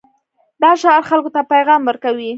دا شعار خلکو ته پیغام ورکوي.